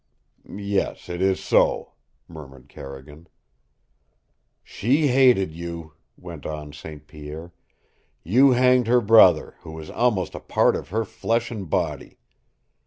"Yes, it is so," murmured Carrigan. "She hated you," went on St. Pierre. "You hanged her brother, who was almost a part of her flesh and body.